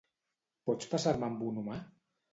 Pots passar-me amb un humà?